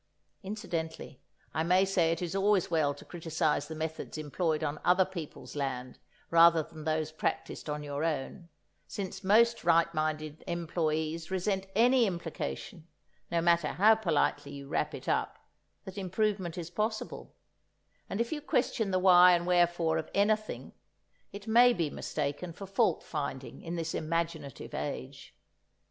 Incidentally I may say it is always well to criticize the methods employed on other people's land rather than those practised on your own, since most right minded employés resent any implication, no matter how politely you wrap it up, that improvement is possible; and if you question the why and wherefore of anything, it may be mistaken for fault finding in this imaginative age.